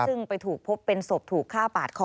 ซึ่งไปถูกพบเป็นศพถูกฆ่าปาดคอ